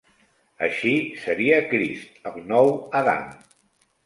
Així seria Crist el nou Adam.